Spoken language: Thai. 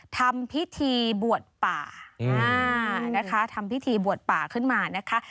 ทำพิธีบวชป่านะคะทำพิธีบวชป่าขึ้นมานะคะ